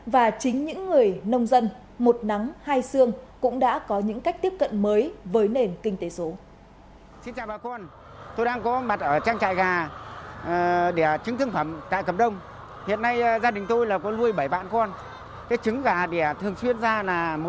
và chính những người nông dân một nắng hai xương cũng đã có những cách tiếp cận mới với nền kinh tế số